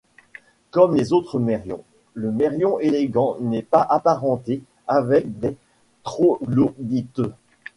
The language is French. Comme les autres mérions, le Mérion élégant n'est pas apparenté avec les troglodytes.